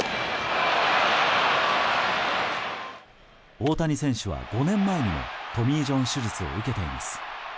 大谷選手は５年前にもトミー・ジョン手術を受けています。